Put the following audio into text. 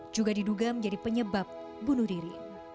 juga diduga menjadi penyebab bunuh diri